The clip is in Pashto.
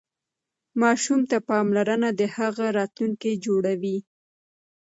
ماسوم ته پاملرنه د هغه راتلونکی جوړوي.